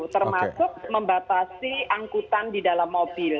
termasuk membatasi angkutan di dalam mobil